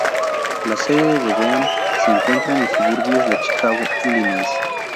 La sede de Beam se encuentra en los suburbios de Chicago, Illinois.